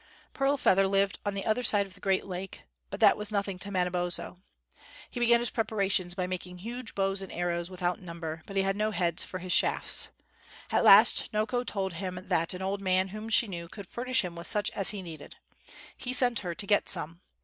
Pearl Feather lived on the other side of the great lake, but that was nothing to Manabozho. He began his preparations by making huge bows and arrows without number; but he had no heads for his shafts. At last Noko told him that an old man, whom she knew, could furnish him with such as he needed. He sent her to get some.